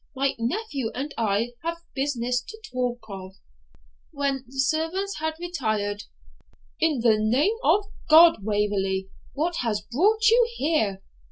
My nephew and I have business to talk of.' When the servants had retired, 'In the name of God, Waverley, what has brought you here?